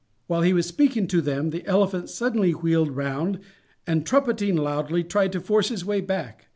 While he was speaking to them the elephant suddenly wheeled round and, trumpeting loudly, tried to force his way back.